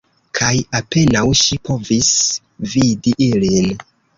Kaj apenaŭ ŝi povis vidi ilin.